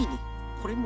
これも。